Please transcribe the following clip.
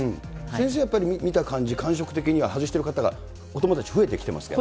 先生、やっぱり見た感じ、感触的には、外してる方が子どもたち、増えてますか。